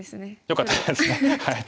よかったですねはい。